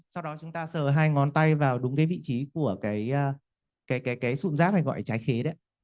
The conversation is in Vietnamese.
sau đó chúng ta sờ hai ngón tay vào đúng cái vị trí của cái sụn giáp hay gọi trái khế đấy